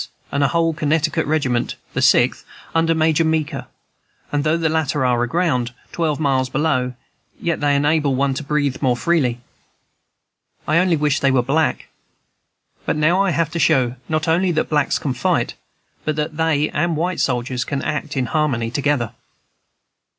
and a whole Connecticut regiment, the Sixth, under Major Meeker; and though the latter are aground, twelve miles below, yet they enable one to breathe more freely. I only wish they were black; but now I have to show, not only that blacks can fight, but that they and white soldiers can act in harmony together."